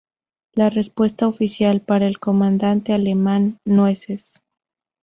La respuesta oficial: "Para el comandante alemán, ¡Nueces!